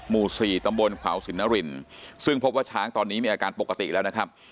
หมู่๔ตำบลขวาวสินนรินซึ่งพบว่าช้างตอนนี้มีอาการปกติแล้วนะครับ